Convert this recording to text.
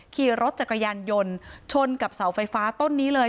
ขี่รถจักรยานยนต์ชนกับเสาไฟฟ้าต้นนี้เลย